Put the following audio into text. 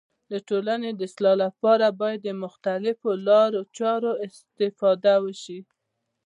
د ټولني د اصلاح لپاره باید د مختلیفو لارو چارو استفاده وسي.